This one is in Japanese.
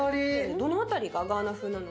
どの辺りがガーナ風なの？